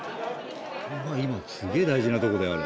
今すげぇ大事なとこだよあれ。